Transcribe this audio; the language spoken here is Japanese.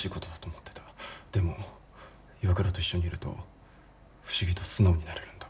でも岩倉と一緒にいると不思議と素直になれるんだ。